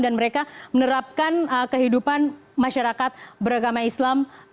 dan mereka menerapkan kehidupan masyarakat beragama islam